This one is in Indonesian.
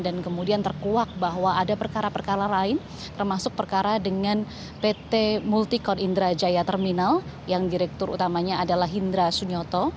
dan kemudian terkuak bahwa ada perkara perkara lain termasuk perkara dengan pt multikon indra jaya terminal yang direktur utamanya adalah hindra sunyoto